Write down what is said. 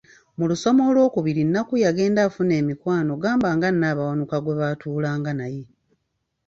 Mu lusoma olw’okubiri Nnakku yagenda afuna emikwano gamba nga Nabawanuka gwe baatuulanga naye